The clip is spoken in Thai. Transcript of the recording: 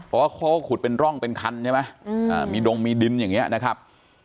เพราะว่าเขาก็ขุดเป็นร่องเป็นคันใช่ไหมมีดงมีดินอย่างนี้นะครับ